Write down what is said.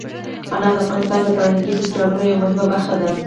انار د افغانستان د فرهنګي فستیوالونو یوه مهمه برخه ده.